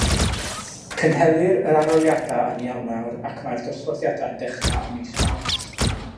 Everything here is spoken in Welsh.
Cynhelir yr arholiadau yn Ionawr ac mae'r dosbarthiadau'n dechrau ym mis Mawrth.